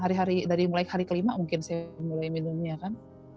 hari hari dari mulai hari kelima mungkin saya mulai minumnya kan